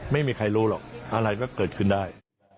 ไม่มีใครรู้หรอกอะไรก็เกิดขึ้นได้